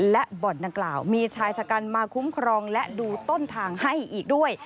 และบ่อนดังกล่าวมีชายชะกันมาคุ้มครองและดูต้นทางให้อีกด้วย